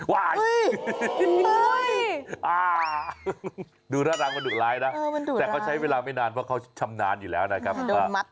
ดูหน้ารังมันดุร้ายนะแต่เขาใช้เวลาไม่นานเพราะเขาชำนาญอยู่แล้วนะครับ